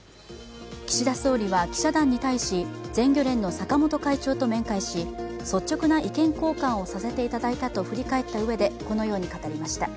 岸田総理は記者団に対し、全漁連の坂本会長と面会し率直な意見交換をさせていただいたと振り返ったうえでこのように語りました。